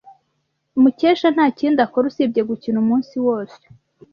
Mukesha ntakindi akora usibye gukina umunsi wose.